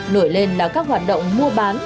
nổi lên là các hoạt động mua bán